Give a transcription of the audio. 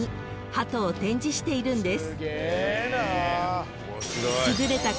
ハトを展示しているんです］